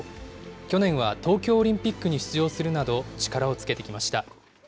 去年は東京オリンピックに出場するなど、力をつけてきました。